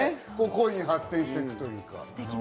恋に発展していくっていうか。